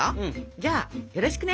じゃあよろしくね。